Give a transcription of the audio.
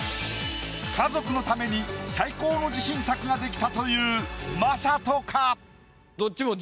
家族のために最高の自信作ができたという魔裟斗か？